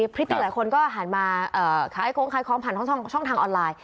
พริติกหลายคนก็หันมาขายของผ่านช่องทางออนไลน์